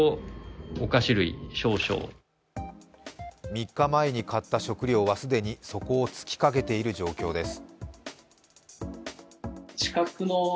３日前に買った食料は既に底をつきかけている状況です。